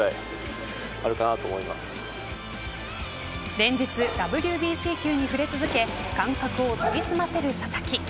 連日ＷＢＣ球に触れ続け感覚を研ぎ澄ませる佐々木。